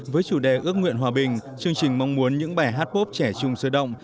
với chủ đề ước nguyện hòa bình chương trình mong muốn những bài hát bốp trẻ trung sơ động